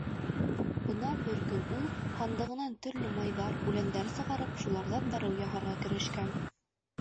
Бына бер көн ул, һандығынан төрлө майҙар, үләндәр сығарып, шуларҙан дарыу яһарға керешкән.